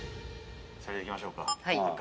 それで行きましょうか。